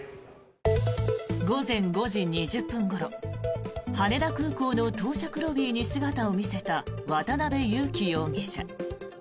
午前５時２０分ごろ羽田空港の到着ロビーに姿を見せた渡邉優樹容疑者。